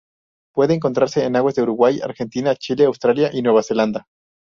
Puede encontrarse en aguas de Uruguay, Argentina, Chile, Australia y Nueva Zelanda.